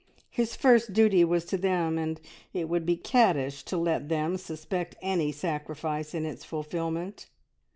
His first duty was to them, and it would be "caddish" to let them suspect any sacrifice in its fulfilment.